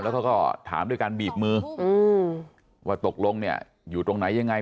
แล้วเขาก็ถามด้วยการบีบมือว่าตกลงเนี่ยอยู่ตรงไหนยังไง